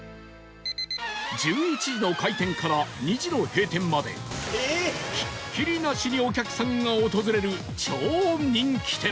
１１時の開店から２時の閉店までひっきりなしにお客さんが訪れる超人気店